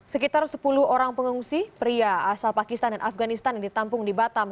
sekitar sepuluh orang pengungsi pria asal pakistan dan afganistan yang ditampung di batam